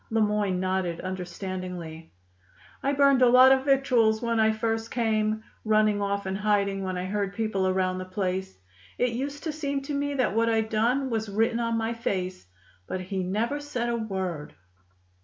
Le Moyne nodded understandingly. "I burned a lot of victuals when I first came, running off and hiding when I heard people around the place. It used to seem to me that what I'd done was written on my face. But he never said a word."